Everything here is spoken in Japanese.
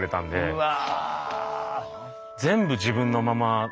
うわ。